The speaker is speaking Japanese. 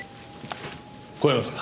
小山さん。